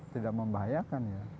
tidak membahayakan ya